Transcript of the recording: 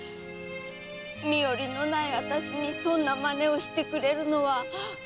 身寄りのないあたしにそんな真似をしてくれるのは。